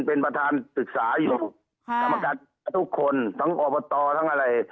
เป็นประธานศึกษาอยู่ค่ะกรรมการทุกคนทั้งอบตทั้งอะไร